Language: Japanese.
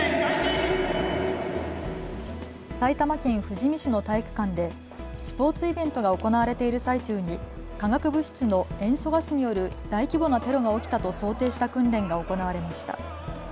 埼玉県富士見市の体育館でスポーツイベントが行われている最中に化学物質の塩素ガスによる大規模なテロが起きたと想定した訓練が行われました。